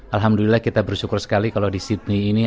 alhamdulillah kita bersyukur sekali kalau di sydney ini